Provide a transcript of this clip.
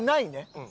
うん。